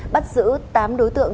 bắt giữ tám đối tượng